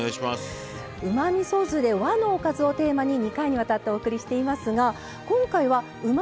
うまみそ酢で和のおかずをテーマに２回にわたってお送りしていますが今回はうま